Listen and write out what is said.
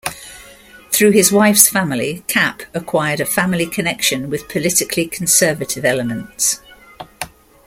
Through his wife's family, Kapp acquired a family connection with politically conservative elements.